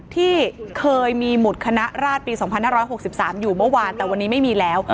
ที่เคยมีหมุดคณะราชปี๒๕๖๓อยู่เมื่อวานแต่วันนี้ไม่มีแล้ว